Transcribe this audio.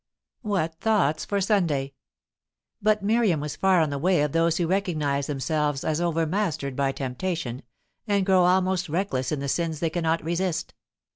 What thoughts for Sunday! But Miriam was far on the way of those who recognize themselves as overmastered by temptation, and grow almost reckless in the sins they cannot resist.